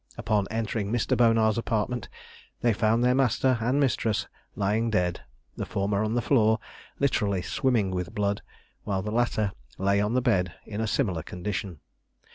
Upon their entering Mr. Bonar's apartment, they found their master and mistress lying dead, the former on the floor, literally swimming with blood, while the latter lay on the bed, in a similar condition.